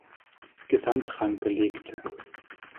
Gesamtrang belegte.